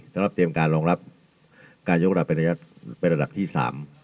เตรียมการรองรับการยกระดับเป็นระยะเป็นระดับที่สาม